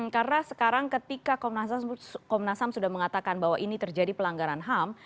karena sekarang ketika komnas ham sudah mengatakan bahwa ini terjadi pelanggaran ham